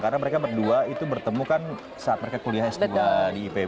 karena mereka berdua itu bertemu kan saat mereka kuliahnya setelah di ipb